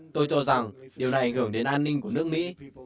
tôi cho rằng điều này ảnh hưởng đến an ninh của nước mỹ